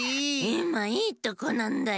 いまいいとこなんだよ！